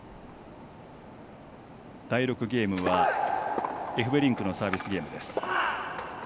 第６ゲームはエフベリンクのサービスゲームです。